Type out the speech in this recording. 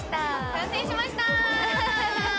完成しました！